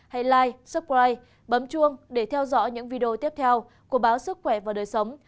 hãy like subscribe bấm chuông để theo dõi những video tiếp theo của báo sức khỏe và đời sống